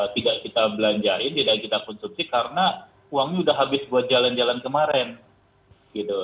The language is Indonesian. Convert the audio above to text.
tidak kita belanjain tidak kita konsumsi karena uangnya sudah habis buat jalan jalan kemarin gitu